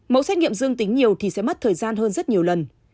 mẫu xét nghiệm dương tính nhiều thì sẽ mất thời gian hơn rất nhiều lần